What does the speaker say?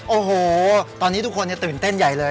โอ้โหตอนนี้ทุกคนตื่นเต้นใหญ่เลย